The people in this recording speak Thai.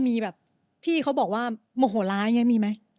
มีแบบที่เขาบอกว่าโมโหร้ายอย่างนี้มีไหม